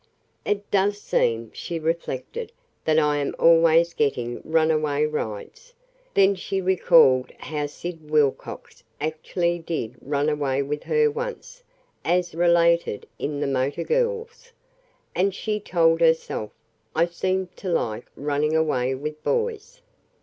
"It does seem," she reflected, "that I am always getting runaway rides." Then she recalled how Sid Wilcox actually did run away with her once, as related in the "Motor Girls." "And," she told herself, "I seem to like running away with boys."